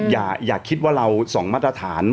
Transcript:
อย่าคิดว่าเราสองมาตรฐาน